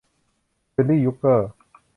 เบอร์ลี่ ยุคเกอร์